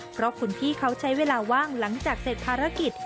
เพราะคุณพี่เขาใช้เวลาว่างหลังจากเสร็จภารกิจ